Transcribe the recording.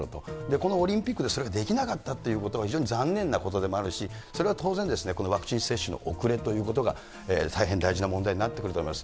このオリンピックでそれができなかったということが非常に残念なことでもあるし、それは当然ですね、このワクチン接種の遅れということが大変大事な問題になってくると思います。